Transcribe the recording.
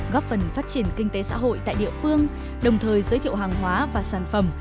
góp phần phát triển kinh tế xã hội tại địa phương đồng thời giới thiệu hàng hóa và sản phẩm